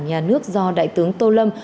nhà nước do đại tướng tô lâm